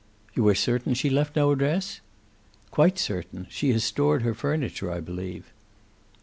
"You are certain she left no address?" "Quite certain. She has stored her furniture, I believe."